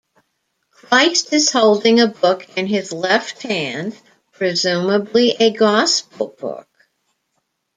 Christ is holding a book in his left hand, presumably a Gospel Book.